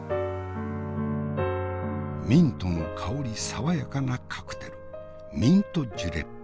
ミントの香り爽やかなカクテルミントジュレップ。